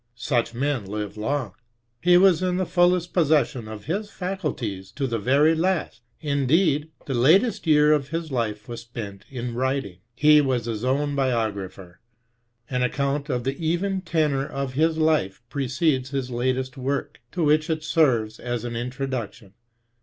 Such men live long. He was in the fullest possession of his faculties to the very last ; indeed, the latest year of his life was spent in writing. He was his own bio grapher. An account of the even tenor of his life precedes his latest work, to which it serves as an introduction.